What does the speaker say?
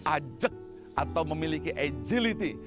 ajak atau memiliki agility